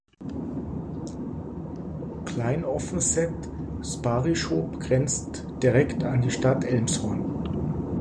Klein Offenseth-Sparrieshoop grenzt direkt an die Stadt Elmshorn.